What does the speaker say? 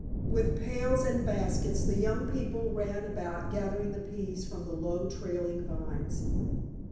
With pails and baskets the young people ran about gathering the peas from the low trailing vines.